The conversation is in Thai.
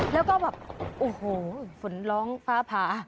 แล้วก็แบบโอ้โหฝนร้องฟ้าผา